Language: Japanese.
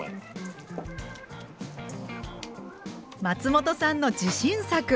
松本さんの自信作。